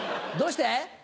どうして？